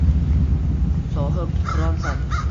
Sohibqironsan.